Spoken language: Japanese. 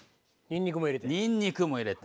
にんにくも入れて。